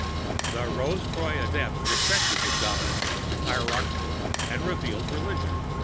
The Rose Croix Adepts respected the dominant, hierarchical, and revealed religion.